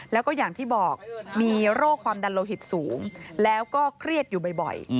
แล้วก็อย่างที่บอกมีโรคความดันโลหิตสูงแล้วก็เครียดอยู่บ่อย